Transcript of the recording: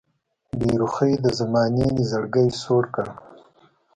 بې رخۍ د زمانې دې زړګی سوړ کړ